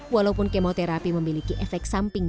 walaupun kemoterapi memiliki efek samping